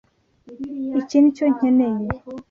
Iki nicyo nkeneye.